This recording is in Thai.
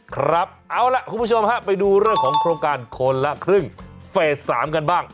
ครับเอาล่ะคุณผู้ชมฮะไปดูเรื่องของโครงการคนละครึ่งเฟส๓กันบ้าง